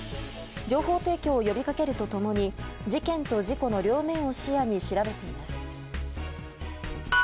情報提供を呼び掛けるとともに事件と事故の両面を視野に調べています。